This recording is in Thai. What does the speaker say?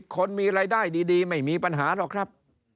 คนมีรายได้ดีไม่มีปัญหาหรอกครับ